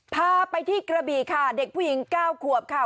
พาไปที่กระบีค่ะเด็กผู้หญิง๙ขวบค่ะ